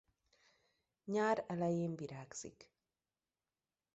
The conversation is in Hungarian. Nyár elején virágzik.